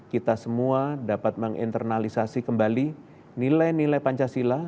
kita semua dapat menginternalisasi kembali nilai nilai pancasila